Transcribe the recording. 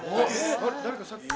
あ誰かさっき。